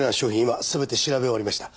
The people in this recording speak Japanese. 今全て調べ終わりました。